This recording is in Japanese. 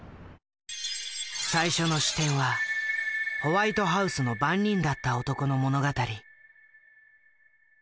最初の視点はホワイトハウスの番人だった男の物語。